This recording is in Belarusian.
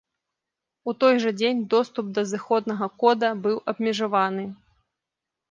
У той жа дзень, доступ да зыходнага кода быў абмежаваны.